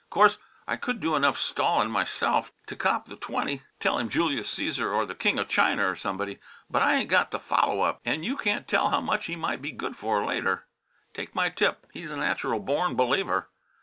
Course, I could do enough stallin' muself t' cop the twenty; tell him Julius Caesar or the King of China or somebody, but I ain't got the follow up, an' you can't tell how much he might be good for later. Take my tip: he's a natural born believer.